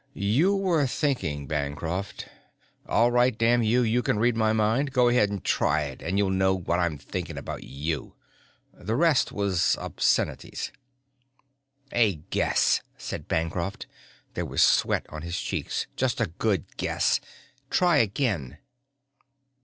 "You were thinking, Bancroft, 'All right, damn you, can you read my mind? Go ahead and try it and you'll know what I'm thinking about you.' The rest was obscenities." "A guess," said Bancroft. There was sweat on his cheeks. "Just a good guess. Try again."